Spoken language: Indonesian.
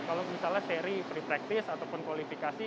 kalau misalnya seri free practice ataupun kualifikasi